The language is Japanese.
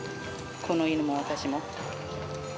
この犬も、私も。